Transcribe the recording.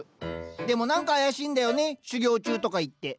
でも何か怪しいんだよね修業中とか言って。